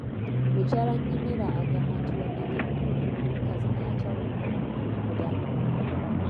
Mukyala Nyemera agamba nti wadde ng'ebiwundu ku nguli bikaze naye akyawulira obulumi munda.